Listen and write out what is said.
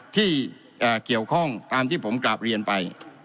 ที่เกี่ยวข้องตามที่ผมกราบเรียนไป